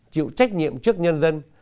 chịu trách nhiệm trước nhân dân